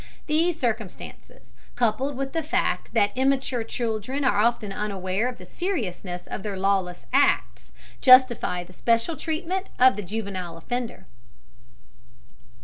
These circumstances, coupled with the fact that immature children are often unaware of the seriousness of their lawless acts, justify the special treatment of the juvenile offender.